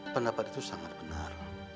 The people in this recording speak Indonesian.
pendapat itu sangat benar